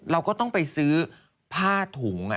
เราก็ต้องไปซื้อผ้าถุง